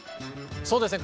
そうですね